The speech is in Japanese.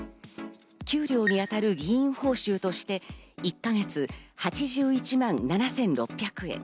給料に当たる議員報酬として、１か月８１万７６００円。